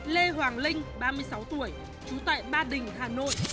lê hoàng linh ba mươi sáu tuổi trú tại ba đình hà nội